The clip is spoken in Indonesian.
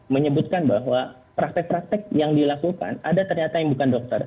menyebutkan bahwa praktek praktek yang dilakukan ada ternyata yang bukan dokter